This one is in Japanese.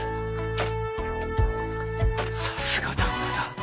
さすが旦那だ。